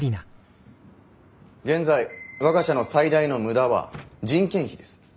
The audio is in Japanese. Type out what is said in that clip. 現在我が社の最大の無駄は人件費です。